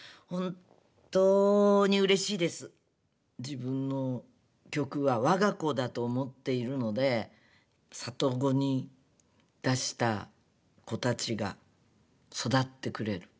「自分の曲はわが子だと思っているので里子に出した子たちが育ってくれる。